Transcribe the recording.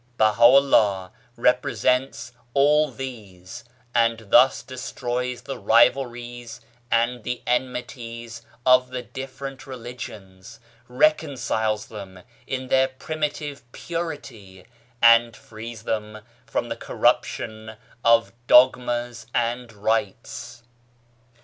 Baha'u'llah represents all these, and thus destroys the rivalries and the enmities of the different religions ; reconciles them in their primitive purity, and frees them from the corruption of dogmas and rites.